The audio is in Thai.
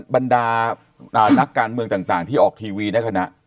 บรรดานักการเมืองต่างที่ออกทีวีในคณะ